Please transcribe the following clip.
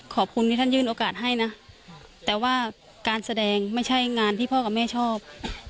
ขอบคุณที่ท่านยื่นโอกาสให้นะแต่ว่าการแสดงไม่ใช่งานที่พ่อกับแม่ชอบ